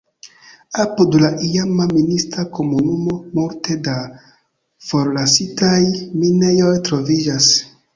Apud la iama minista komunumo multe da forlasitaj minejoj troviĝas.